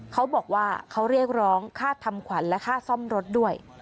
เขาบอกว่าเขาเรียกร้องค่าทำขวัญและค่าซ่อมรถด้วย